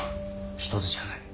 １つしかない。